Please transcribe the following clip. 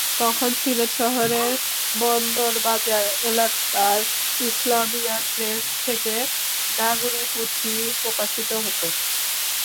তখন সিলেট শহরের বন্দরবাজার এলাকার ইসলামিয়া প্রেস থেকে নাগরি পুঁথি প্রকাশিত হতো।